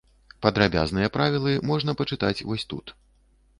Падрабязныя правілы можна пачытаць вось тут.